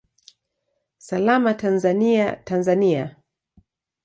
Salama Tanzania, Tanzania!